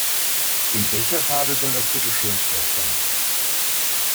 In welcher Fabel soll das bitteschön vorkommen?